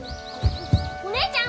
お姉ちゃん